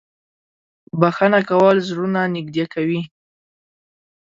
• بښنه کول زړونه نږدې کوي.